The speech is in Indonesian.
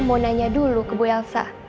mau nanya dulu ke bu elsa